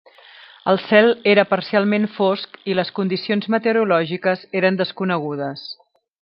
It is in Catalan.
El cel era parcialment fosc i les condicions meteorològiques eren desconegudes.